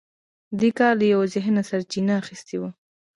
دې کار له یوه ذهنه سرچینه اخیستې وه